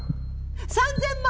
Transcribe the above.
３，０００万。